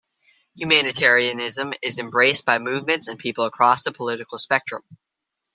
Humanitarianism is embraced by movements and people across the political spectrum.